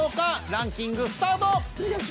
ランキングスタート！